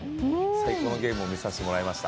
最高のゲームを見させてもらいました。